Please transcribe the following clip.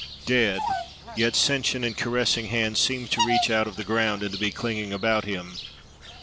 Dead, yet sentient and caressing hands seemed to reach out of the ground and to be clinging about him.